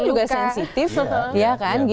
juga sensitif ya kan